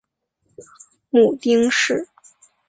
母丁氏。